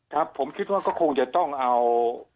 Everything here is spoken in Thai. ครับผมคิดว่าก็คงจะต้องเอา